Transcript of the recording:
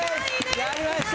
やりました！